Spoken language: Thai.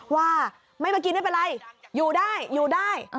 ว่าไม่มากินไม่เป็นไรอยู่ได้อยู่ได้